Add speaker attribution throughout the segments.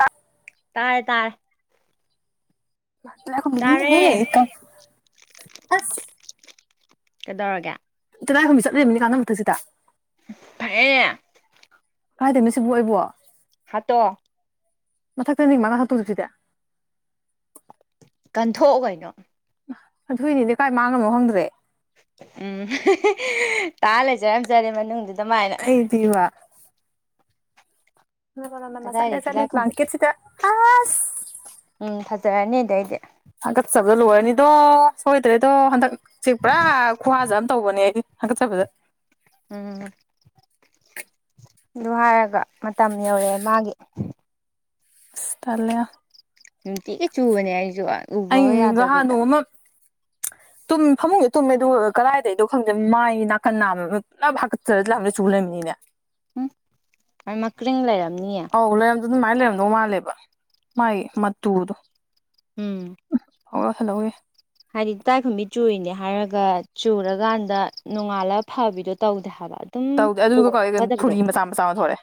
Speaker 1: ꯑ
Speaker 2: ꯇꯥꯔꯦ ꯇꯥꯔꯦ ꯇꯥꯔꯦ
Speaker 1: ꯇꯥꯂꯥꯀꯣꯝꯕꯤꯅꯤꯅꯍꯦ
Speaker 2: ꯀꯗꯧꯔꯒꯦ
Speaker 1: ꯇꯤꯂꯥꯏꯈꯨꯝꯕꯤ ꯆꯠ ꯂꯩꯃꯤꯅꯤ ꯀꯥꯒꯟ ꯃꯊꯛꯁꯤꯗ
Speaker 2: ꯐꯦ
Speaker 1: ꯀꯥꯏꯗꯣꯏꯅꯦ ꯁꯤꯕꯨ ꯑꯩꯕꯣ
Speaker 2: ꯍꯥꯠꯇꯣ
Speaker 1: ꯃꯊꯥ ꯇ ꯃꯉꯥ ꯍꯥ ꯇꯗ ꯆꯗ
Speaker 2: ꯀꯟꯊꯣꯛꯑꯣ ꯀꯩꯅꯣ
Speaker 1: ꯑꯗꯨꯣꯏꯅꯤꯗꯤ ꯀꯥꯏ ꯃꯥꯡꯉꯝꯈꯔꯃꯣ ꯈꯪꯗ꯭ꯔꯦ
Speaker 2: ꯎꯝ ꯇꯥ ꯂꯩꯖꯔꯝꯖꯔꯦ ꯃꯅꯨꯡꯗꯨ
Speaker 1: ꯍꯗꯤ ꯋꯥ ꯃꯁꯥꯦꯁ
Speaker 2: ꯀꯗꯥꯏꯗꯒꯤ ꯂꯥꯏ
Speaker 1: ꯂ
Speaker 2: ꯈꯨꯝꯕꯤ
Speaker 1: ꯀꯦꯠꯁꯤꯗ
Speaker 2: ꯐꯖꯥꯔꯅꯤ ꯑꯗꯩꯗꯤ
Speaker 1: ꯍꯒꯠꯆꯕꯗ ꯂꯣꯏꯔꯅꯤꯗꯣ ꯁꯣꯏꯗ꯭ꯔꯦꯗꯣ ꯍꯟꯗꯛ ꯁꯤ ꯄꯨꯔꯥ ꯈꯨ꯭ꯍꯖꯅ ꯇꯧꯕꯅꯦ ꯑꯩ ꯍꯥꯒꯠꯆꯥꯕ
Speaker 2: ꯎꯝ ꯑꯗꯨ ꯍꯥꯏꯔꯒ ꯃꯇꯝ ꯌꯧꯔꯛꯑꯦ ꯃꯥꯒꯤ
Speaker 1: ꯇꯥꯜꯂꯦ
Speaker 2: ꯅꯨꯡꯇꯤꯒꯤ ꯆꯨꯕꯅꯤ ꯍꯥꯏ ꯎꯕꯒ ꯌꯥꯗꯕꯤꯗ
Speaker 1: ꯨ ꯐꯃꯨꯡꯗ ꯇꯨꯝꯃꯦ ꯑꯗꯨꯒ ꯀꯗꯥꯏꯗꯗꯣ ꯈꯪꯗꯦ ꯃꯥꯏ ꯅꯥꯀꯟ ꯅꯥꯝꯃ ꯄꯨꯂꯞ ꯍꯥꯀꯠꯆ ꯂ ꯆꯨ ꯂꯩꯃꯤꯅꯤꯅꯦ
Speaker 2: ꯑꯃ ꯃꯀꯔꯤꯡ ꯂꯩꯔꯝꯅꯤꯌꯦ
Speaker 1: ꯑꯧ ꯂꯩꯔꯝꯗꯣ ꯑꯗꯨꯃꯥꯏꯅ ꯂꯩꯔꯝꯗꯧ ꯃꯥꯜꯂꯦꯕ ꯃꯥꯒꯤ ꯃꯇꯨꯗꯣ
Speaker 2: ꯎꯝ
Speaker 1: ꯑꯣ ꯋꯥꯊꯜ ꯂꯧꯋꯦ
Speaker 2: ꯍꯥꯏꯗꯤ ꯏ ꯇꯥꯏꯈꯨꯝꯕꯤ ꯆꯨꯔꯤꯅꯦ ꯍꯥꯏꯔꯒ ꯆꯨꯔꯀꯥꯟꯗ ꯅꯣꯡꯉꯥꯜꯂꯒ ꯐꯕꯤꯗꯣ ꯇꯧꯗꯦ ꯍꯥꯏꯕ ꯑꯗꯨꯝ
Speaker 1: ꯇꯧꯗꯦ ꯑꯗꯨꯒ
Speaker 2: ꯄꯣꯝꯃꯒ
Speaker 1: ꯐꯨꯔꯤ ꯃꯆꯥ ꯃꯆꯥ ꯑꯃ ꯊꯣꯛꯂꯛꯑꯦ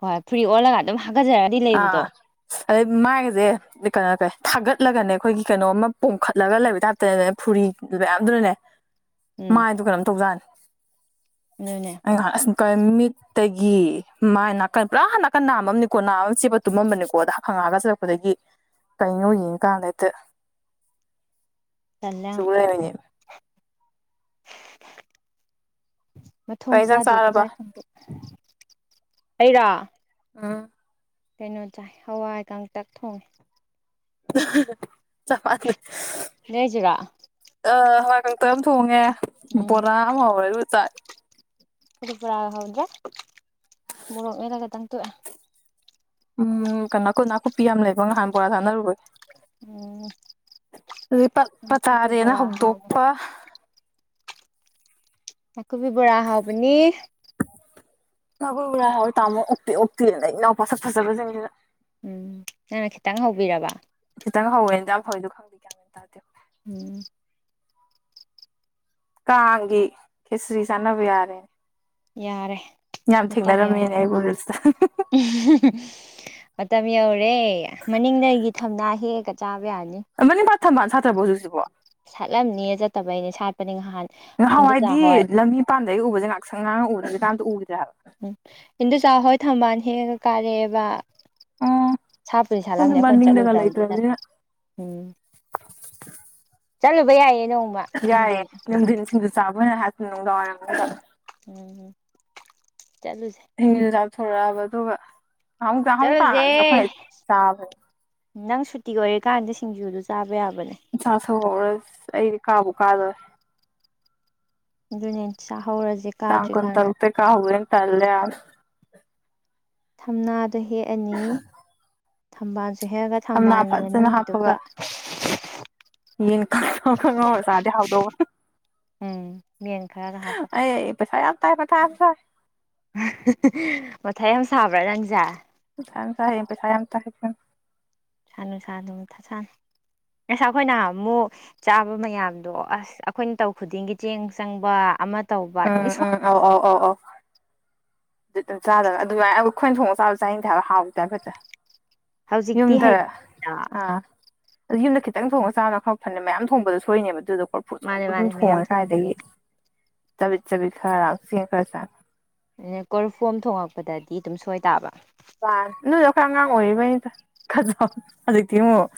Speaker 2: ꯍꯣꯏ ꯐꯨꯔꯤ ꯑꯣꯜꯂꯒ ꯑꯗꯨꯝ ꯍꯥꯒꯠꯆꯔꯗꯤ ꯂꯩꯕꯗꯣ
Speaker 1: ꯑꯥ ꯑꯗꯩ ꯃꯥꯏꯒꯁꯦ ꯀꯩꯅꯣ ꯇꯧꯋꯦ ꯊꯥꯒꯠꯂꯦ ꯆꯠꯂꯒꯅꯦ ꯑꯩꯈꯣꯏꯒꯤ ꯀꯩꯅꯣꯝ ꯄꯣꯝꯈꯠꯂꯒ ꯂꯩꯕ ꯇꯥꯏꯞꯇꯅꯅꯦ ꯐꯨꯔꯤ ꯃꯌꯥꯝꯗꯨꯅꯅꯦ
Speaker 2: ꯎꯝ
Speaker 1: ꯃꯥꯏꯗꯨ ꯀꯩꯅꯣꯝ ꯇꯧꯖꯥꯅꯤ
Speaker 2: ꯑꯗꯨꯅꯦ
Speaker 1: ꯀꯩꯅꯣ ꯃꯤꯠꯇꯒꯤ ꯃꯥꯏ ꯅꯥꯀꯟ ꯄꯨꯔꯥ ꯅꯥꯀꯟ ꯅꯥꯃꯅꯤꯀꯣ ꯆꯦꯄ ꯇꯨꯝꯃꯝꯕꯅꯤꯀꯣ ꯑ ꯈꯪꯉꯛꯑꯒ ꯆꯠꯂꯛꯄꯗꯒꯤ ꯀꯩꯅꯩꯅꯣ ꯌꯦꯡꯉꯀꯥꯟꯗꯇꯦ
Speaker 2: ꯇꯜꯂꯦ ꯌꯥꯝ [unintelligible]
Speaker 1: ꯀꯩ ꯏꯟꯖꯥꯡ
Speaker 2: ꯃꯊꯣꯡꯁꯨꯥꯗꯦꯗ
Speaker 1: ꯆꯥꯔꯕ
Speaker 2: ꯂꯥꯏ ꯈꯪꯗꯦ ꯑꯩꯔꯣ
Speaker 1: ꯑꯥ
Speaker 2: ꯀꯩꯅꯣ ꯆꯥꯏ ꯍꯋꯥꯏ ꯀꯪꯇꯛ ꯊꯣꯡꯉꯦ
Speaker 1: [unintelligible] ꯆꯞ ꯃꯥꯟꯅꯩ
Speaker 2: ꯅꯣꯏꯖꯨꯔꯣ
Speaker 1: ꯑꯥ ꯍꯋꯥꯏ ꯀꯥꯡꯇꯛ ꯑꯃꯥ ꯊꯣꯡꯉꯦ
Speaker 2: ꯎꯝ
Speaker 1: ꯕꯣꯔꯥꯃ ꯍꯧꯔꯦ ꯑꯗꯨꯒ ꯆꯥꯏ
Speaker 2: ꯇꯄꯔꯥ ꯍꯥꯎꯗ꯭ꯔ ꯃꯣꯔꯣꯛ ꯃꯗꯥꯒ ꯇꯪꯇ
Speaker 1: ꯎꯝ ꯀꯅꯣ ꯅꯥꯀꯨꯞꯄꯤ ꯌꯥꯝ ꯂꯩꯕꯣ ꯉꯍꯥꯟ ꯕꯣꯔꯥ ꯆꯥꯟꯅꯔꯨꯨꯕꯩ
Speaker 2: ꯎꯝ
Speaker 1: ꯑꯗꯨꯗꯤ
Speaker 2: ꯅꯥꯀꯨꯞꯄꯤ
Speaker 1: ꯄꯥꯇꯥꯥꯅꯦꯅ
Speaker 2: ꯕꯣꯔꯥ ꯍꯥꯎꯕꯅꯤ ꯅꯀꯨꯞꯄꯤ ꯕꫭꯔꯥ ꯍꯥꯥꯎꯕꯅꯤ
Speaker 1: ꯍꯥꯎꯣꯏ ꯇꯥꯃꯣ ꯑꯣꯛꯄꯤꯌꯣ ꯑꯣꯛꯄꯤꯌꯣ ꯣꯣ ꯏꯅꯥꯎ ꯄꯁꯛ ꯐꯖꯕꯁꯤꯡꯁꯤꯅ
Speaker 2: ꯎꯝ ꯅꯪꯅ ꯈꯤꯇꯪ ꯍꯧꯕꯤꯔꯕ
Speaker 1: ꯈꯤꯇꯪ ꯍꯧꯋꯦꯅꯗꯤ ꯌꯥꯝ ꯐꯩꯦꯗꯣ ꯈꯪꯕꯤ ꯀꯌꯥꯃ ꯇꯥꯔꯦ
Speaker 2: [unintelligible]
Speaker 1: ꯀꯥꯒꯤ ꯈꯦꯆꯔꯤ ꯆꯥꯅꯕ ꯌꯥꯔꯦꯅꯦ
Speaker 2: ꯌꯥꯔꯦ
Speaker 1: ꯌꯥꯝ
Speaker 2: ꯃꯇꯝ ꯌꯧꯔꯦ
Speaker 1: ꯊꯦꯡꯅꯔꯝꯃꯦꯅꯦ ꯑꯩꯕꯨꯟꯗꯁꯨ
Speaker 2: ꯃꯇꯝ ꯌꯧꯔꯦ ꯃꯅꯤꯡꯗꯒꯤ ꯊꯝꯅꯥ ꯍꯦꯛꯒ ꯆꯥꯛ ꯌꯥꯅꯤ
Speaker 1: ꯊꯝꯕ ꯁꯥꯇ꯭ꯔꯕ ꯍꯧꯖꯤꯛꯁꯤꯕꯣ
Speaker 2: ꯁꯥꯠꯂꯝꯅꯦ ꯆꯠꯇꯕꯩꯅꯦ ꯁꯥꯠꯄꯅꯦ ꯉꯍꯥꯟꯅꯤ
Speaker 1: ꯉꯍꯥꯟꯋꯥꯏꯗꯤ ꯂꯝꯕꯤꯄꯥꯟꯗꯥꯒꯤꯒ ꯎꯕꯁꯦ ꯉꯍꯥꯛ ꯁꯪ ꯉꯥꯡꯉ ꯎꯔ ꯆ ꯎ
Speaker 2: ꯎꯝ ꯏꯟꯗꯨ ꯆꯥꯛ ꯍꯣꯏ ꯊꯝꯕꯥꯜ ꯍꯦꯛꯉꯒ ꯀꯥꯔꯛꯑꯦꯕ
Speaker 1: ꯑꯣ
Speaker 2: ꯁꯥꯠꯄꯨꯗꯤ
Speaker 1: ꯈꯪꯗꯦ
Speaker 2: ꯁꯥꯠꯂꯝꯕꯅꯦ ꯑꯩꯈꯣꯏꯅ
Speaker 1: ꯃꯅꯤꯡꯗꯒ
Speaker 2: ꯆꯠꯂꯨꯗ꯭ꯔꯕꯅꯤꯅ
Speaker 1: ꯂꯩꯇ꯭ꯔꯕꯅꯤꯅ
Speaker 2: ꯎꯝ ꯆꯂꯣ ꯕ ꯌꯥꯏꯌꯦ ꯅꯣꯡꯃ
Speaker 1: ꯌꯥꯏꯌꯦ
Speaker 2: ꯅꯨꯡꯊꯤꯟ
Speaker 1: ꯅꯨꯡꯊꯤꯟꯁꯤꯡꯗꯨ ꯆꯥꯕꯅ ꯎꯝ
Speaker 2: ꯎꯝꯝ ꯆꯠꯂꯨꯁꯦ
Speaker 1: ꯊꯣꯔꯛꯑꯕ ꯑꯗꯨꯒꯥ ꯍ
Speaker 2: ꯆꯠꯂꯨꯁꯦ
Speaker 1: ꯍ [unintelligible]
Speaker 2: ꯅꯪ ꯁꯨꯇꯤ ꯑꯣꯏꯔꯀꯥꯟꯗ ꯁꯤꯡꯖꯨꯗꯨꯣ ꯆꯥꯕ ꯌꯥꯕꯅꯦ
Speaker 1: ꯍꯁ ꯑꯩꯗꯤ ꯀꯥꯕꯨ ꯀꯥꯗꯔꯦ
Speaker 2: ꯖꯅꯠꯆꯥ
Speaker 1: ꯇꯥꯡ ꯀꯨꯟꯇꯥꯔꯨꯛꯇꯒꯤ ꯀꯥ ꯍꯧꯅꯤ ꯇꯂ
Speaker 2: ꯊꯝꯅꯥ ꯆꯍꯤ ꯑꯅꯤ ꯊꯝꯕꯥꯜꯁꯤ
Speaker 1: ꯊꯝꯅꯥ ꯐꯖꯅ ꯍꯥꯞꯄꯒ ꯌꯦꯟ ꯈꯪꯉꯧ ꯈꯪꯍꯧꯔ ꯆꯥꯔꯗꯤ ꯍꯥꯎꯗꯣꯛ
Speaker 2: ꯎꯝ ꯃꯦꯟ ꯈꯔꯒ ꯍꯥꯞꯄꯒ
Speaker 1: ꯑꯩ ꯄꯩꯁꯥ ꯌꯥꯝ [unintelligible]
Speaker 2: ꯃꯊꯥꯏ ꯌꯥꯝ ꯁꯥꯕ꯭ꯔꯥ ꯅꯪꯁꯦ
Speaker 1: ꯊ ꯊ ꯄꯩꯁꯥ ꯊꯗ
Speaker 2: ꯁꯥ ꯅꯨꯡꯁꯥ ꯅꯨꯡ ꯊ ꯁꯅ ꯉꯁ ꯑꯩꯈꯣꯏꯅ ꯑꯃꯨꯛ ꯆꯥꯕ ꯃꯌꯥꯝꯗꯣ ꯑꯁ ꯑꯩꯈꯣꯏꯅ ꯇꯧ ꯈꯨꯗꯤꯡꯒꯤ ꯆꯦꯡ ꯆꯪꯕ ꯑꯃ ꯇꯧꯕ ꯑꯗꯨꯝ
Speaker 1: ꯎꯝ ꯎꯝ ꯑꯧ ꯑꯧ ꯑꯧ ꯑꯧ ꯑꯗꯨ ꯑꯗꯨꯝ ꯆꯥꯗꯕ ꯑꯗꯨꯃꯥꯏꯅ ꯑꯩꯈꯣꯏ ꯈꯣꯏ ꯊꯣꯡꯒ ꯆꯥꯕ ꯆꯥꯅꯤꯡꯗ ꯍꯥꯏꯕ ꯍꯥꯎꯋ ꯇꯥꯏꯐꯠꯇ
Speaker 2: ꯍꯧꯖꯤꯛꯇꯤ
Speaker 1: ꯌꯨꯝꯗꯥ
Speaker 2: ꯍꯩꯔꯦꯗꯅ
Speaker 1: ꯑꯥ ꯑꯗꯨ ꯌꯨꯝꯗ ꯈꯤꯇꯪ ꯊꯣꯡꯉꯒ ꯆꯥꯕꯅ ꯈꯔ ꯐꯅꯦ ꯃꯌꯥꯝ ꯊꯣꯡꯕꯗꯣ ꯁꯣꯏꯅꯦꯕ ꯑꯗꯨꯗ ꯆ
Speaker 2: ꯃꯥꯅꯦ
Speaker 1: ꯑꯗꯨꯝ
Speaker 2: ꯃꯥꯅꯦ ꯃꯌꯥꯝ
Speaker 1: ꯊꯣꯡꯉꯦ ꯀꯥꯏꯗꯒꯤ
Speaker 2: ꯊꯣꯡꯕꯒꯤ
Speaker 1: ꯆꯥꯕꯤ ꯆꯕꯤ ꯍꯔꯥꯡꯁꯤ ꯈꯔꯁ
Speaker 2: ꯀꯣꯔꯐꯨ ꯊꯣꯉꯛꯄꯗꯗꯤ ꯑꯗꯨꯝ ꯁꯣꯏ ꯇꯥꯕ
Speaker 1: ꯋꯥꯅꯤ ꯅꯣꯏꯗ ꯑꯩꯈꯣꯏ ꯑꯉꯥꯡ ꯑꯣꯏꯔꯤꯕꯩꯅꯤꯗ ꯈ ꯍꯧꯖꯤꯛꯇꯤ ꯑꯃꯨꯛ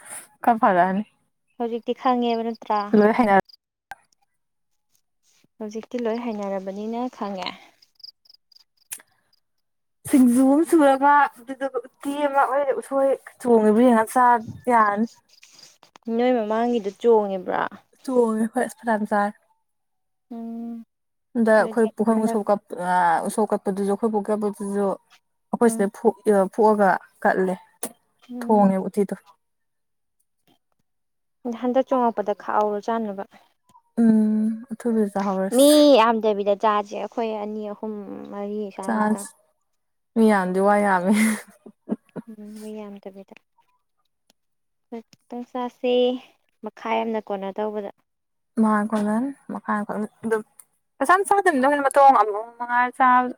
Speaker 1: ꯈꯔ ꯐꯔꯛꯑꯅꯤ
Speaker 2: ꯍꯧꯖꯤꯛꯇꯤ ꯈꯪꯉꯦꯕ ꯅꯠꯇ꯭ꯔꯥ
Speaker 1: ꯂꯣꯏ ꯍꯩꯅ
Speaker 2: ꯍꯧꯖꯤꯛꯇꯤ ꯂꯣꯏ ꯍꯩꯅꯔꯕꯅꯤꯅ ꯈꯪꯉꯦ
Speaker 1: ꯁꯤꯡꯖꯨ ꯑꯃ ꯁꯨꯔꯒ ꯑꯗꯨꯗꯨꯒ ꯎꯇꯤ ꯑꯃ ꯑꯣꯏꯔꯦ ꯎꯠꯁꯣꯏ ꯆꯣꯡꯉꯦꯕ ꯌꯦꯡ ꯁꯥ ꯊꯟ
Speaker 2: ꯅꯣꯏ ꯃꯃꯥꯡꯒꯤꯗ ꯆꯣꯡꯉꯦꯕ꯭ꯔꯥ
Speaker 1: ꯇ ꯍꯣꯏꯁ ꯐ ꯔꯝꯖꯥ
Speaker 2: ꯎꯝ
Speaker 1: ꯑꯗꯥ
Speaker 2: ꯅꯣꯏꯗꯤ
Speaker 1: ꯑꯩꯈꯣꯏ ꯄꯨꯈ ꯁ
Speaker 2: ꯍꯟꯗꯛ
Speaker 1: ꯀ ꯁꯧꯀꯠꯄ ꯗꯨꯖꯣ ꯈꯣꯏꯕꯣꯛꯀꯕꯨꯗꯨꯖꯣ ꯑꯩꯈꯣꯏ
Speaker 2: ꯎꯝ
Speaker 1: ꯁꯤꯗ ꯊꯣꯛꯑꯒ ꯀꯠꯂꯦ
Speaker 2: ꯎꯝ
Speaker 1: ꯊꯣꯡꯅꯦ ꯎꯨꯇꯤ
Speaker 2: ꯍꯟꯗꯛ ꯆꯣꯉꯛꯄꯗ ꯈꯥꯛꯍꯧꯔꯣ ꯆꯥꯅꯕ
Speaker 1: ꯎꯝ ꯑꯊꯨꯕꯤꯗ ꯆꯥꯍꯧꯔꯁꯤ
Speaker 2: ꯃꯤ ꯌꯥꯝꯗꯕꯤꯗ ꯆꯥꯁꯦ ꯑꯩꯈꯣꯏ ꯑꯅꯤ ꯑꯍꯨꯝ ꯃꯔꯤ ꯁꯥꯔꯨꯛꯇ
Speaker 1: ꯆꯥꯁꯤ ꯃꯤ ꯌꯥꯝꯗꯤ ꯋꯥ ꯌꯥꯝꯃꯦ
Speaker 2: ꯎꯝ ꯃꯤ ꯌꯥꯝꯗꯕꯤꯗ ꯍꯛꯇꯪ ꯆꯁꯤ ꯃꯈꯥꯏ ꯑꯃꯥꯅ ꯀꯣꯟꯅ ꯇꯧꯕꯗ
Speaker 1: ꯃꯈꯥ ꯈꯨꯣꯟꯅꯟ ꯃꯈꯥ ꯑꯗꯨꯝ ꯄꯩꯁꯥ ꯆꯥꯗꯅꯤ ꯃꯇ ꯑꯃꯉꯥꯏ ꯆꯥꯕ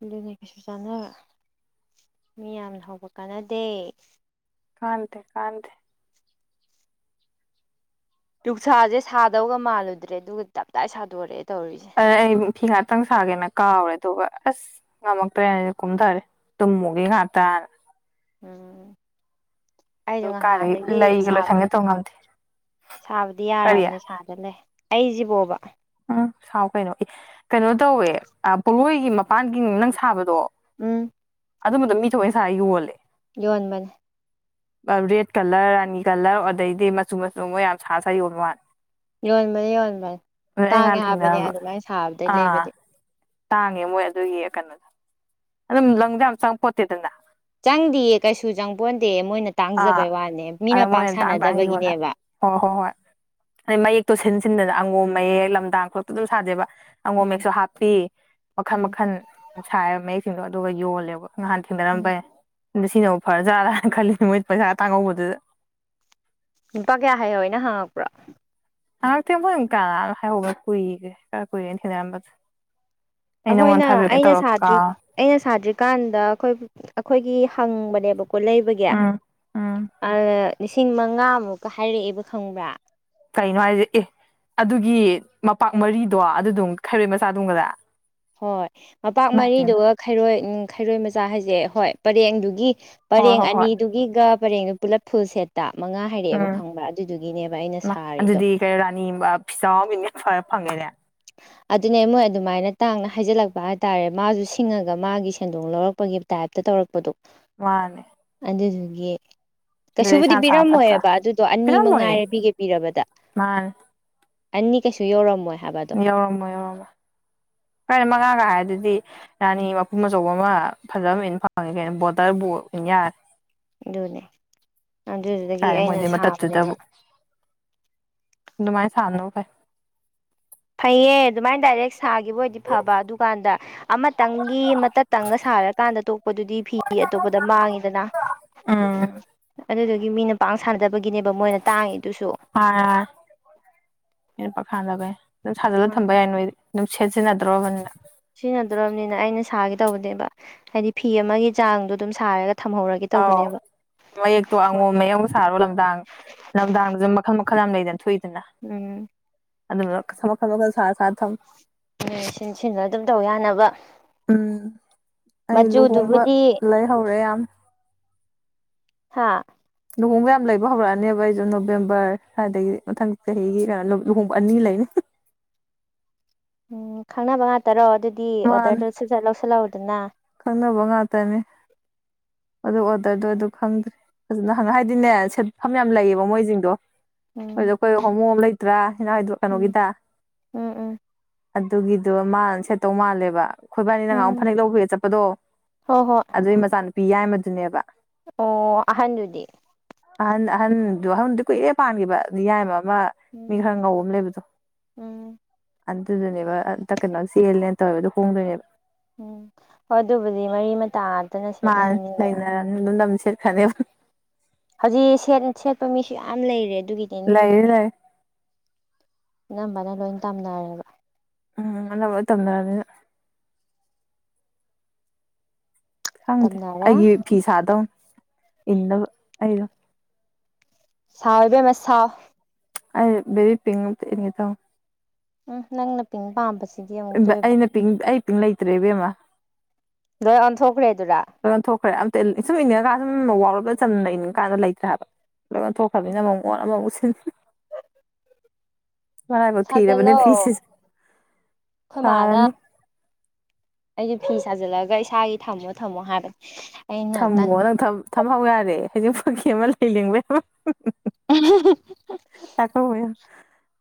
Speaker 2: ꯑꯗꯨꯅꯦ ꯀꯩꯁꯨ ꯆꯥꯟꯅ ꯃꯤ ꯌꯥꯝꯅ ꯍꯧꯕ ꯀꯥꯟꯅꯗꯦ
Speaker 1: ꯀꯥꯟꯗꯦ ꯀꯥꯟꯗꯦ
Speaker 2: ꯅꯨꯡꯁꯥꯁꯦ ꯁꯥꯗꯧꯒ ꯃꯥꯜꯂꯨꯗ꯭ꯔꯦ ꯑꯗꯨꯒ ꯇꯞꯇꯥꯏ ꯁꯥꯗꯣꯔꯛꯑꯦ ꯇꯧꯔꯤꯁꯦ
Speaker 1: ꯑ ꯑꯩ ꯐꯤ ꯉꯥꯛꯇꯪ ꯁꯥꯒꯦꯅ ꯀꯥꯎꯔꯦꯗꯤ ꯑꯗꯨꯒ ꯑꯁ ꯉꯝꯃꯛꯇ꯭ꯔꯦꯅ ꯀꯨꯝꯊꯔꯦ ꯇꯨꯝꯃꯨꯒꯤ ꯉꯥꯛꯇꯅ
Speaker 2: ꯎꯝ ꯑꯩꯗꯨ
Speaker 1: ꯑꯗꯨ ꯀꯥꯏꯗꯒꯤ
Speaker 2: ꯅꯍꯥꯟꯗꯒꯤ
Speaker 1: ꯂꯩꯒ
Speaker 2: ꯁꯥꯕ
Speaker 1: ꯂꯣꯏꯁꯟꯒꯦ ꯇꯧ ꯉꯝꯗꯦ
Speaker 2: ꯁꯥꯕꯗꯤ
Speaker 1: ꯀꯔꯤ
Speaker 2: ꯌꯥꯔꯕꯅꯤ ꯁꯥꯗꯅ ꯂꯩ ꯑꯩ ꯖꯤꯕꯣꯕꯥ
Speaker 1: ꯎ ꯁꯥꯎ ꯀꯩꯅꯣ ꯏ ꯀꯩꯅꯣ ꯇꯧꯋꯦ ꯄꯣꯂꯣꯏꯒꯤ ꯃꯄꯥꯟꯒꯤ ꯅꯪ ꯁꯥꯕꯗꯣ
Speaker 2: ꯎꯝ
Speaker 1: ꯑꯗꯨꯝꯕꯗꯣ ꯃꯤ ꯊꯣꯛꯏ ꯁꯥꯥ ꯌꯣꯜꯂꯦ
Speaker 2: ꯌꯟꯕꯅꯤ
Speaker 1: ꯔꯦꯗ ꯀꯂꯔ ꯔꯥꯅꯤ ꯀꯂꯔ ꯑꯗꯩꯗꯤ ꯃꯆꯨ ꯃꯆꯨ ꯃꫭꯏ ꯌꯥꯝ ꯁꯥ ꯁꯥ ꯌꯣꯕ ꯃꯥꯜꯂꯦ
Speaker 2: ꯌꫭꯟꯕꯅꯤ ꯌꫭꯟꯕꯅꯤ ꯇꯥꯡꯉꯦ ꯍꯥꯏꯕꯅꯦ
Speaker 1: ꯊꯦꯡꯅꯔꯝꯕ
Speaker 2: ꯑꯗꯨꯃꯥꯏꯅ ꯁꯥꯕꯗꯩ
Speaker 1: ꯑꯥ
Speaker 2: ꯂꯩꯕꯗꯤ
Speaker 1: ꯇꯥꯡꯉꯦ ꯃꯣꯏ ꯑꯗꯨꯒꯤ ꯀꯩꯅꯣꯗꯣ ꯑꯗꯨꯝ ꯂꯪꯗ ꯌꯥꯝ ꯆꯪ ꯈꯣꯠꯇꯦꯗꯅ
Speaker 2: ꯆꯪꯗꯤꯌꯦ ꯀꯩꯁꯨ ꯆꯪꯕꯣꯟ
Speaker 1: ꯑꯥ ꯑꯗ ꯃꯣꯏꯅ ꯇꯥꯡ ꯇꯥꯡ ꯌꯣꯜꯂꯦꯕ
Speaker 2: ꯁꯥꯟꯅꯗꯕꯒꯤꯅꯦꯕ
Speaker 1: ꯍꯣꯏ ꯍꯣꯏ ꯍꯣꯏ ꯑꯗꯩ ꯃꯌꯦꯛꯇꯣ ꯁꯤꯟ ꯁꯤꯟꯗꯅ ꯑꯉꯣ ꯃꯌꯦꯛ ꯂꯝꯗꯥꯡ ꯈꯠꯇ ꯑꯗꯨꯝ ꯁꯥꯗꯦꯕ ꯑꯪꯉꯣꯝ
Speaker 2: ꯎꯝ
Speaker 1: ꯃꯌꯦꯛꯁꯨ ꯍꯥꯞꯄꯤ ꯃꯈꯟ
Speaker 2: ꯎꯝ
Speaker 1: ꯃꯈꯟ ꯁꯥꯏ ꯃꯌꯦꯛ ꯁꯤꯂꯣ ꯑꯗꯨꯒ ꯌꯣꯜꯂꯦꯕ ꯉꯍꯥꯟ
Speaker 2: ꯎꯝ
Speaker 1: ꯊꯦꯡꯅꯔꯝꯏ ꯑ ꯁꯤꯅꯕꯨ ꯐꯔꯖꯥꯔꯥꯅ ꯈꯜꯂꯤꯅꯦ ꯃꯣꯏ ꯄꯩꯁꯥ ꯇꯥꯡꯍꯧꯕꯗ
Speaker 2: ꯅꯨꯨꯄꯥ ꯀꯌꯥ ꯍꯥꯏꯅ ꯍꯪꯉꯛꯄ꯭ꯔꯣ
Speaker 1: ꯍꯉꯛꯇꯦꯡꯣꯏ ꯀ ꯍꯥꯏꯍꯧꯕꯒ ꯀꯨꯏꯒꯦꯔ ꯀꯨꯏꯔꯦꯅ ꯊꯦꯡꯅꯔꯝꯕꯗ
Speaker 2: ꯑꯩꯈꯣꯏꯅ ꯑꯩꯅ ꯁꯥꯇ꯭ꯔꯤ ꯑꯩꯅ ꯁꯥꯇ꯭ꯔꯤ ꯀꯥꯟꯗ ꯑꯩꯈꯣꯏ ꯑꯩꯈꯣꯏꯒꯤ ꯍꯪꯕꯅꯦꯕꯀ ꯀꯣ ꯂꯩꯕꯒꯤ
Speaker 1: ꯎꯝ ꯎꯝ
Speaker 2: ꯂꯤꯁꯤꯡ ꯃꯉꯥꯃꯨꯛꯀ ꯍꯥꯏꯔꯛꯑꯦꯕ ꯈꯪꯕ꯭ꯔꯥ
Speaker 1: ꯀꯩꯅꯣ ꯍꯥꯏꯁꯦ ꯑꯦ ꯑꯗꯨꯒꯤ ꯃꯄꯥꯛ ꯃꯔꯤꯗꯣ ꯑꯗꯨꯗꯨꯝ ꯈꯥꯏꯔꯦ ꯃꯆꯥꯗꯨꯝꯒꯗ
Speaker 2: ꯍꯣꯏ ꯃꯄꯥꯛ
Speaker 1: ꯏꯃꯥꯏ ꯄꯦꯝꯃ
Speaker 2: ꯃꯔꯤꯗꯨꯒ ꯈꯩꯔꯣꯏ ꯈꯩꯔꯣꯏ ꯃꯆꯥ ꯍꯥꯏꯁ ꯁꯦ ꯍꯣꯏ ꯄꯔꯦꯡꯗꯨꯒꯤ
Speaker 1: ꯍꯣꯏ
Speaker 2: ꯄꯔꯦꯡ
Speaker 1: ꯍꯣꯏ ꯍꯣꯏ
Speaker 2: ꯑꯅꯤꯗꯨꯒꯤꯒ ꯄꯔꯦꯡꯗꯨ ꯄꯨꯂꯞ ꯐꯨꯜ ꯁꯦꯠꯇ ꯃꯉꯥ ꯍꯥꯏꯔꯛꯑꯦꯕ ꯈꯪꯕ꯭ꯔꯥ ꯑꯗꯨꯗꯨꯒꯤꯅꯦꯕ ꯑꯩꯅ
Speaker 1: ꯎꯝ
Speaker 2: ꯁꯥꯔꯤꯗꯣ
Speaker 1: ꯑꯗꯨꯗꯤ ꯏꯃꯥ ꯀꯩ ꯔꯥꯅꯤ ꯐꯤꯖꯥꯎꯕꯤ ꯐꯔ ꯐꯪꯉꯦꯅꯦ
Speaker 2: ꯑꯗꯨꯅꯦ ꯃꯣꯏ ꯑꯗꯨꯃꯥꯏꯅ ꯇꯥꯡꯅ ꯍꯥꯏꯖꯤꯜꯂꯛꯄ ꯍꯥꯏꯇꯥꯥꯔꯦ ꯃꯥꯁꯨ ꯁꯤꯡꯉꯒ ꯃꯥꯒꯤ ꯁꯦꯟꯗꯣꯡ ꯂꯧꯔꯛꯄꯒꯤ ꯇꯥꯏꯞꯇ ꯇꯧꯔꯛꯄꯗꯣ
Speaker 1: ꯃꯥꯅꯦ
Speaker 2: ꯍꯗꯗꯨꯒꯒꯤ
Speaker 1: ꯑꯗꯨꯗꯤ
Speaker 2: ꯀꯩꯁꯨꯕꯨꯗꯤ
Speaker 1: ꯏꯁꯥ ꯁꯥ ꯐꯠꯇ꯭ꯔꯥ
Speaker 2: ꯄꯤꯔꯝꯃꯣꯏꯑꯕ ꯑꯗꯨꯗꯣ ꯑꯅꯤ
Speaker 1: ꯄꯤꯔꯝꯃꯣꯏꯌꯦ
Speaker 2: ꯃꯉꯥꯏꯔ ꯄꯤꯒꯦ ꯄꯤꯔꯕꯗ
Speaker 1: ꯃꯥꯅꯦ
Speaker 2: ꯑꯅꯤ ꯀꯩꯁꯨ ꯌꯧꯔꯝꯃꯣꯏ ꯍꯥꯏꯕꯗꯣ
Speaker 1: ꯌꯧꯔꯝꯃꯣꯏ ꯌꯧꯔꯝꯃꯣꯏ ꯃꯉꯥꯒ ꯍꯥꯏꯗꯨꯗꯤ ꯔꯥꯅꯤ ꯃꯄꯨꯝ ꯑꯆꯧꯕ ꯑꯃ ꯐꯖꯕ ꯑꯣꯏꯅ ꯐꯪꯉꯦ ꯀꯩꯅꯣ ꯕꯣꯇꯔꯕꯨ ꯑꯣꯏꯅ ꯌꯥꯔꯦ
Speaker 2: ꯑꯗꯨꯅꯦ ꯑꯗꯨꯗꯨꯗꯒꯤ
Speaker 1: ꯀꯥꯏ
Speaker 2: ꯑꯩꯅ
Speaker 1: ꯃꯣꯏꯗꯤ
Speaker 2: ꯁꯥꯕꯅꯦꯕ
Speaker 1: ꯃꯇꯠꯇꯨꯗꯕꯨ ꯑꯗꯨꯃꯥꯏꯅ ꯁꯥꯅꯕꯨ ꯐꯩ
Speaker 2: ꯐꯩꯌꯦ ꯑꯗꯨꯃꯥꯏꯅ ꯗꯥꯏꯔꯦꯛ ꯁꯥꯈꯤꯕ ꯑꯣꯏꯗꯤ ꯐꯕ ꯑꯗꯨꯀꯥꯟꯗ ꯑꯃꯇꯪꯒꯤ ꯃꯇꯇꯪꯒ ꯁꯥꯔꯀꯥꯟꯗ ꯇꯣ ꯗꯨꯗꯤ ꯐꯤ ꯑꯇꯣꯞꯄꯗ ꯃꯥꯡꯉꯤꯗꯅ
Speaker 1: ꯎꯝ
Speaker 2: ꯑꯗꯨꯗꯨ ꯃꯤꯅ ꯄꯥꯡ ꯁꯥꯟꯅꯗꯕ ꯅꯦꯕ ꯃꯣꯏꯅ ꯇꯥꯡꯉ ꯑꯗꯨꯁꯨ
Speaker 1: ꯈꯥꯗꯕꯦ ꯑꯗꯨꯝ ꯁꯥꯖꯜꯂꯒ ꯊꯝꯕ ꯌꯥꯏ ꯅꯣꯏꯗꯤ ꯅꯨꯡꯁ
Speaker 2: ꯁꯤꯅꯗꯔꯕꯅꯤꯅ ꯑꯩꯅ ꯁꯥꯒ ꯇꯅꯦꯕ ꯍꯥꯏꯗꯤ ꯐꯤ ꯑꯃꯒꯤ ꯆꯥꯡ ꯑꯗꯨꯝ ꯊꯝꯍꯧꯔꯒꯦ
Speaker 1: ꯑꯥꯎ
Speaker 2: ꯇꯧꯕꯅꯦꯕ
Speaker 1: ꯃꯌꯦꯛꯇꯣ ꯑꯉꯣꯝ ꯃꯌꯧ ꯁꯥꯔꯣ ꯂꯝꯗꯥꯡ ꯂꯝꯗꯥꯡꯗꯁꯨ ꯃꯈꯜ ꯃꯈꯜ ꯌꯥꯝ ꯂꯩꯗꯅ ꯊꯣꯛꯏꯗꯅ
Speaker 2: ꯎꯝ
Speaker 1: ꯑꯗꯨ ꯃꯈ ꯈ ꯁꯥ ꯁꯥꯊꯝ
Speaker 2: ꯁꯤꯟ ꯁꯤꯕ ꯑꯗꯨꯝ ꯇꯧ ꯌꯥꯅꯕ
Speaker 1: ꯎꯝ ꯑꯩ ꯂꯨꯍꯣꯡꯕ
Speaker 2: ꯃꯆꯨꯗꯨꯕꯨꯗꯤ
Speaker 1: ꯂꯩ ꯍꯧꯔꯦ ꯌꯥꯝ
Speaker 2: ꯍꯥꯥ
Speaker 1: ꯂꯨꯍꯣꯡꯕ ꯌꯥꯝ ꯂꯩꯕ ꯍꯧꯔꯛꯑꯅꯦꯕ ꯑꯩꯁꯨ ꯅꯣꯕꯦꯝꯕꯔ ꯑꯗꯒꯤ ꯃꯊꯪ ꯆꯍꯤꯒꯤ ꯀꯩꯅ ꯂꯨꯍꯣꯡꯕ ꯑꯅꯤ ꯂꯩꯅꯤ
Speaker 2: ꯎꯝ ꯈꯪꯅꯕ ꯉꯥꯛꯇꯔꯣ ꯑꯗꯨꯗꯤ ꯗꯤ
Speaker 1: ꯃꯥꯅ
Speaker 2: ꯑꯣꯗꯔꯗ ꯆ ꯂꯧꯁꯂꯥꯎ ꯏꯅꯥ
Speaker 1: ꯈꯪꯅꯕ ꯉꯥꯛꯇꯅꯦ ꯑꯗꯨ ꯑꯣꯗꯔꯗꯣ ꯑꯗꯨ ꯈꯪꯗ꯭ꯔꯦ ꯐꯖꯅ ꯍꯪ ꯍꯥꯏꯗꯤꯅꯦ ꯁꯐꯝ ꯌꯥꯝ ꯂꯩꯌꯦꯕ ꯃꯣꯏꯁꯤꯡꯗꯣ
Speaker 2: ꯎꯝ
Speaker 1: ꯑꯗꯨꯗ ꯀꯈ ꯍꯃꯣ ꯑꯃ ꯂꯩꯇ꯭ꯔꯥꯗ
Speaker 2: ꯎꯝ
Speaker 1: ꯀꯩꯅꯣꯒꯤꯗ
Speaker 2: ꯎꯝ ꯎꯝ
Speaker 1: ꯑꯗꯨꯒꯤꯗꯣ ꯃꯥ ꯁꯦꯠꯇꯧ ꯃꯥꯜꯂꯦꯕ ꯑꯩꯈꫭꯏꯕꯅꯤ ꯅ ꯉꯍꯥꯟꯃꯨꯛ
Speaker 2: ꯎꯝ
Speaker 1: ꯐꯅꯦꯛ ꯂꯧꯕꯒꯤ ꯆꯠ
Speaker 2: ꯍꯣꯏ ꯍꯣꯏ
Speaker 1: ꯑꯗꯨ ꯃꯆꯥ ꯅꯨꯄꯤ ꯌꯥꯏꯃꯗꯨꯅꯦꯕ
Speaker 2: ꯑꯣ ꯑꯍꯟꯗꯨꯗꯤ
Speaker 1: ꯑꯍꯟ ꯑꯍꯟꯗꯨꯣ ꯑꯍꯟꯗꯨ ꯀꯨꯏꯔꯦ ꯄꯥꯟꯈꯤꯕꯌꯥꯏꯕꯥ ꯃꯥ
Speaker 2: ꯎꯝ
Speaker 1: ꯃꯤ ꯈꯔ ꯉꯧ ꯑꯃ ꯂꯩꯕꯗꯣ
Speaker 2: ꯎꯝ
Speaker 1: ꯑꯗꯨꯗꯨꯅꯦꯕ ꯑꯝꯇ ꯀꯩꯅꯣ ꯆꯦꯜꯂꯦꯅ ꯇꯧꯋꯦꯕꯗꯣ ꯍꯣꯡꯗꯣꯏꯅꯦꯕ
Speaker 2: ꯎꯝ ꯍꯣꯏ ꯑꯗꯨꯕꯨꯗꯤ ꯃꯔꯤ ꯃꯇꯥꯇꯅ ꯁꯦꯠꯂꯝꯅꯤꯕ
Speaker 1: ꯈꯦ
Speaker 2: ꯍꯧꯖꯤꯛ ꯁꯦꯠꯄ ꯃꯤꯁꯨ ꯌꯥꯝ ꯂꯩꯔꯦ ꯑꯗꯨꯒꯤꯅꯤꯅꯦ
Speaker 1: ꯂꯩ ꯂꯩ ꯑꯦ
Speaker 2: ꯑꯅꯝꯕꯅ ꯂꯣꯏ ꯇꯝꯅꯔꯦꯕ
Speaker 1: ꯎꯝ ꯑ ꯇꯣꯗꯔ ꯑꯗꯨ ꯈꯪꯗꯦ
Speaker 2: ꯇꯝꯅꯔꯦ
Speaker 1: ꯑꯩꯒꯤ ꯐꯤ ꯁꯥꯗꯧꯅꯤ ꯏ ꯍꯥꯏꯩꯅꯣ
Speaker 2: ꯁꯥꯥꯎꯋꯕ ꯃꯥ ꯁꯥꯥꯎ
Speaker 1: ꯑꯩ ꯕꯔꯤ ꯄꯦꯉ ꯑꯝꯇꯥ ꯏꯟꯒꯦ ꯇꯧꯅꯦ
Speaker 2: ꯎꯝ ꯅꯪꯅ ꯄꯤꯡ ꯄꯥꯝꯕꯁꯦ
Speaker 1: ꯑꯩꯅ ꯄ ꯇ ꯂ ꯂꯩꯇ꯭ꯔꯦꯕꯦꯝꯃ
Speaker 2: ꯗꯟ ꯊꯣꯛꯈ꯭ꯔꯦꯦ
Speaker 1: ꯑꯗꯨꯝ ꯊꯣꯛꯈ꯭ꯔꯦ ꯁꯨꯝ ꯏꯅꯤꯡꯉꯀꯥꯟꯗ ꯁꯨꯝ ꯋꯥꯔꯣꯞꯗ ꯆꯝꯅ ꯏꯅꯤꯡꯕꯀꯥꯟꯗ ꯂꯩꯇ꯭ꯔꯦ ꯍꯥꯏꯕ ꯂꯣꯏꯅ ꯊꯣꯛꯈ꯭ꯔꯅꯤꯅ ꯑꯃꯛꯣꯟ ꯑꯃꯨꯛ ꯍꯝ ꯍꯔꯕ ꯊꯔꯦ
Speaker 2: ꯁꯥꯖꯜꯂꯣ
Speaker 1: ꯃꯅꯤ ꯄꯤꯁꯦ
Speaker 2: ꯑꯩꯈꯣꯏ
Speaker 1: ꯐꯔꯅꯤ
Speaker 2: ꯁꯤ ꯐꯤ ꯁꯥꯖꯤꯜꯂꯒ ꯏꯁꯥꯒꯤ ꯊꯝꯃꯣ ꯊꯝꯃꯣ ꯍꯥꯟꯕꯅꯦ
Speaker 1: ꯊꯝꯃꯣ ꯅꯪ ꯊꯝꯍꯧ ꯌꯥꯔꯦ ꯍꯖꯤꯡ ꯄꯨꯀꯤ ꯑꯃ ꯂꯩ ꯂꯦꯡꯕ
Speaker 2: [unintelligible]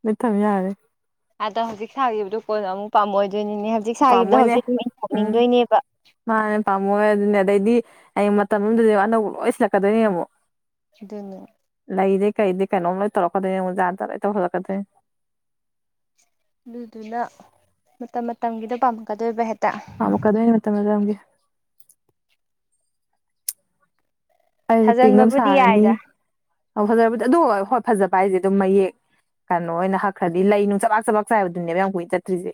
Speaker 1: ꯃ ꯊꯝ ꯌꯥꯔꯦ
Speaker 2: ꯑꯗ ꯍꯧꯖꯤꯛ ꯁꯥꯈꯤꯕꯗꯨꯣ ꯀꯣꯟꯅꯣ ꯑꯃꯨꯛ ꯄꯥꯃꯣꯏꯗ ꯑꯗꯨꯏꯅꯤꯅꯦ ꯍꯧꯖꯤꯛ ꯁꯥꯈꯤꯕꯗꯣ
Speaker 1: ꯄꯥꯝꯃꯣꯏꯅꯦ
Speaker 2: ꯍꯧꯖꯤꯛ ꯑꯗꯨ
Speaker 1: ꯎꯝ
Speaker 2: ꯇꯧꯅꯤꯡꯗꯣꯏꯅꯦꯕ
Speaker 1: ꯃꯥꯅꯦ ꯄꯥꯝꯃꯣꯏ ꯑꯗꯨꯅꯦ ꯑꯗꯩꯗꯤ ꯑꯩ ꯃꯇꯝ ꯑꯃꯗꯗꯤ ꯑꯅꯧꯕ ꯂꯣꯏ ꯁꯤꯜꯂꯛꯀꯗꯣꯏꯅꯦ ꯑꯃꯨꯛ
Speaker 2: ꯏꯗꯣꯅ
Speaker 1: ꯂꯩꯔꯦ ꯀꯩꯗ ꯀꯩꯅꯣꯝ ꯂꯣꯏ ꯇꯧꯔꯛꯀꯗꯦꯛꯖꯥꯗ ꯂ ꯇꯧꯜꯂꯛꯀꯗꯦ
Speaker 2: ꯑꯗꯨꯗꯨꯅ ꯃꯇꯝ ꯃꯇꯝꯒꯤꯗ ꯄꯥꯝꯃꯛꯀꯗꯣꯏꯕ ꯍꯦ
Speaker 1: ꯃ ꯀ ꯑꯗꯨꯅꯦ ꯃ ꯃꯇꯝ ꯃ ꯅꯝ ꯑꯩꯁ ꯄꯤꯡ ꯑꯃ
Speaker 2: ꯁꯥꯖꯟꯕꯕꯨꯗꯤ
Speaker 1: ꯁꯥꯔꯅꯤ
Speaker 2: ꯌꯥꯏꯗ
Speaker 1: ꯑꯧ ꯐꯖꯔꯕꯗꯤ ꯑꯗꯨ ꯍꯣꯏ ꯐꯖꯕ ꯍꯥꯏꯁꯦ ꯑꯗꯨꯝ ꯃꯌꯦꯛ ꯀꯩꯅꯣ ꯑꯣꯏꯅ ꯍꯛꯈ꯭ꯔꯗꯤ ꯂꯩ ꯅꯨꯡ ꯆꯕꯥꯛ ꯆꯕꯥꯛ ꯆꯥꯏꯕꯗꯨꯅꯦꯕ ꯌꯥꯝ ꯀꯨꯏ ꯆꯠꯇ꯭ꯔꯤꯁꯦ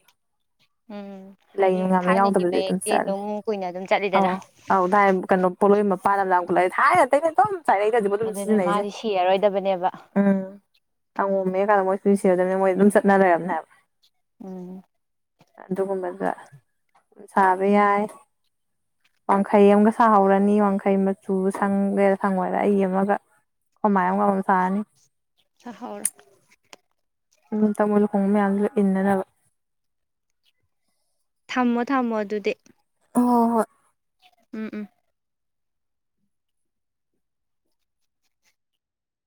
Speaker 2: ꯎꯝ
Speaker 1: ꯂꯩ
Speaker 2: ꯍꯥꯏꯗꯤ
Speaker 1: ꯅꯨꯡꯉ ꯑꯃ
Speaker 2: ꯊꯥꯏꯅꯒꯤ
Speaker 1: ꯌꯥꯎꯗꯕꯗꯤ ꯑꯗꯨꯝ
Speaker 2: ꯃꯌꯦꯛꯇꯤ
Speaker 1: ꯆꯠꯂꯦ
Speaker 2: ꯑꯗꯨꯝ ꯀꯨꯏꯅ ꯑꯗꯨꯝ
Speaker 1: ꯑꯥꯎ
Speaker 2: ꯆꯠꯂꯤꯗꯅ
Speaker 1: ꯑꯥꯎ ꯗꯥꯥꯏ ꯀꯩꯅꯣ ꯄꯣꯠꯂꯣꯏ ꯃꯄꯥꯟ ꯑꯃ ꯂ ꯂꯥꯏ ꯊꯥꯏ ꯍꯥꯏꯦꯅꯝ ꯆꯥꯏꯇꯗꯤꯕ ꯑꯗꯨꯝ
Speaker 2: ꯑꯗꯨꯅꯦ
Speaker 1: ꯁꯤꯖꯤꯟꯅꯩꯁꯦ
Speaker 2: ꯃꯥꯗꯤ ꯁꯤꯔꯔꯣꯏꯗꯕꯅꯦꯕ
Speaker 1: ꯎꯝ ꯑꯉꯝꯃꯦ ꯀꯥꯟꯗ ꯃꯣꯏꯁꯨꯁꯤꯗꯕꯅꯤ ꯃꯣꯏ ꯑꯗꯨꯝ ꯆꯠꯅꯔꯔꯕꯅꯦꯕ
Speaker 2: ꯎꯝ
Speaker 1: ꯑꯗꯨꯒꯒꯨꯝꯕꯒ ꯆꯥꯕ
Speaker 2: ꯎꯝ
Speaker 1: ꯌꯥꯏ ꯋꯥꯡꯈꯩ ꯑꯃꯒ ꯁꯥꯍꯧꯔꯅꯤ ꯋꯥꯡꯈꯩ ꯁꯨ ꯁꯪꯒꯦꯔꯥ ꯁꯪꯉꯣꯏꯗ ꯑꯩ ꯑꯃꯒ ꯍꯃꯥꯏ ꯑꯃꯒ ꯑꯃ ꯁꯥꯔꯅꯤ
Speaker 2: ꯁꯍꯔ
Speaker 1: ꯎꯝ ꯇꯝꯜ ꯍꯉꯃꯦꯗ ꯏꯟꯅꯅ
Speaker 2: ꯊꯝꯃꯣ ꯊꯝꯃꯣ ꯑꯗꯨꯗꯤ
Speaker 1: ꯑꯣ ꯍ
Speaker 2: ꯎꯝ ꯎꯝ